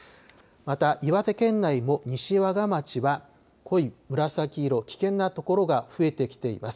また岩手県内も西和賀町は濃い紫色、危険な所が増えてきています。